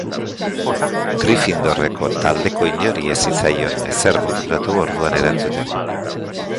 Gryffindorreko taldeko inori ez zitzaion ezer bururatu orduan erantzuteko.